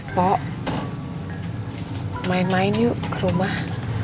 kok main main yuk ke rumah